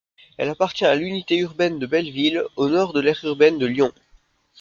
Elle appartient à l'unité urbaine de Belleville, au nord de l'aire urbaine de Lyon.